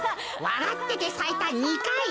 わらっててさいた２かい。